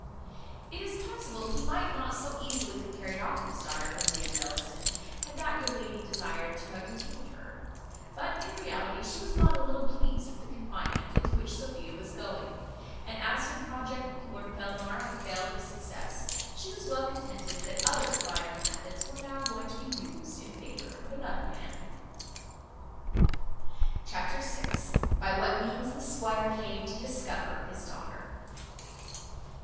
It is possible he might not so easily have carried off his daughter from Lady Bellaston, had that good lady desired to have detained her; but, in reality, she was not a little pleased with the confinement into which Sophia was going; and as her project with Lord Fellamar had failed of success, she was well contented that other violent methods were now going to be used in favour of another man. Chapter vi. By what means the squire came to discover his daughter.